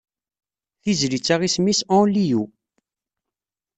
Tizlit-a isem-is Only You.